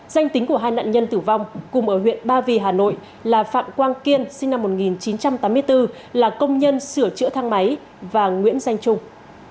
danh tính của hai nạn nhân tử vong cùng ở huyện ba vì hà nội là phạm quang kiên sinh năm một nghìn chín trăm tám mươi bốn là công nhân sửa chữa thang máy và nguyễn danh trung